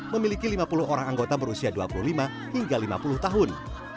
memiliki lima puluh orang anggota berusia dua puluh lima hingga lima puluh tahun